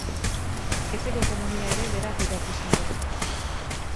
Etxeko ekonomia ere berak gidatu izan du.